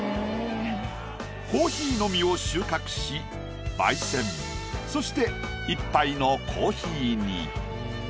コーヒーの実を収穫し焙煎そして１杯のコーヒーに。